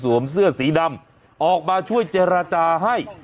เสื้อสีดำออกมาช่วยเจรจาให้